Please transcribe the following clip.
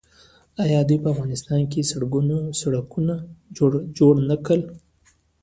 آیا دوی په افغانستان کې سړکونه جوړ نه کړل؟